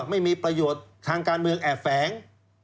ไม่มีประโยชน์ทางการเมืองแอบแฝง